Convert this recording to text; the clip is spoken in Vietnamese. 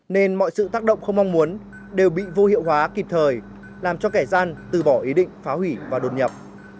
nên mọi sự tác động không mong muốn đều bị vô hiệu hóa kịp thời làm cho kẻ gian từ bỏ ý định phá hủy và đột nhập